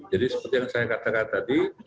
jadi seperti yang saya katakan tadi